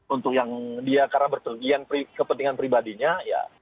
untuk yang dia karena berpergian kepentingan pribadinya ya